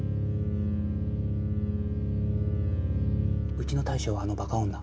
うちの大将はあのバカ女。